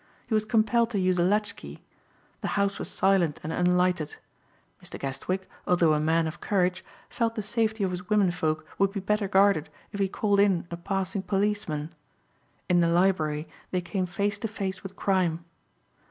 He was compelled to use a latchkey. The house was silent and unlighted. Mr. Guestwick, although a man of courage, felt the safety of his women folk would be better guarded if he called in a passing policeman. In the library they came face to face with crime.